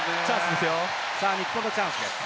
日本のチャンスです。